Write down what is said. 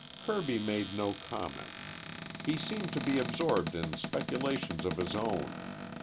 Kirby made no comment. He seemed to be absorbed in speculations of his own.